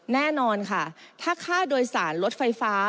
แน่นอนค่ะถ้าค่าโดยสารรถไฟฟ้า